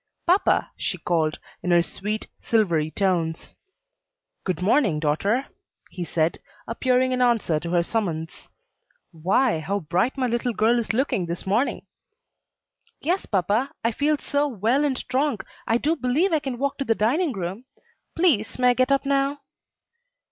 "Papa!" she called, in her sweet, silvery tones. "Good morning, daughter," he said, appearing in answer to her summons. "Why, how bright my little girl is looking this morning!" "Yes, papa, I feel so well and strong I do believe I can walk to the dining room. Please, may I get up now?"